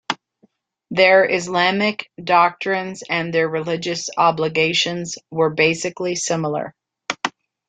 Their Islamic doctrines and their religious obligations were basically similar.